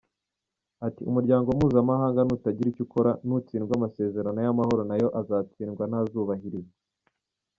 Ati “Umuryango mpuzamahanga nutagira icyo ukora, nutsindwa, amasezerano y’amahoro nayo azatsindwa, ntazubahirizwa.